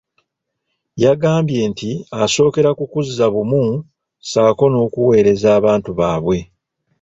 Yagambye nti asookera ku kuzza bumu ssaako n’okuweereza abantu baabwe.